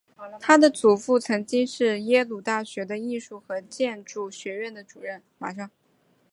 她的祖父曾经是耶鲁大学的艺术和建筑学院的主任。